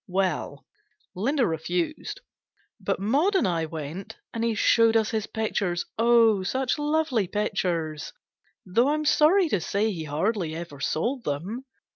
Well, Linda refused ; but Maud and I went, and he showed us his pictures oh, such lovely pictures I though I'm sorry to say he hardly ever sold them.